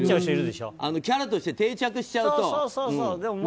キャラとして定着しちゃうとね。